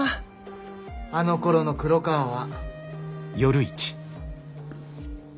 あのころの黒川は。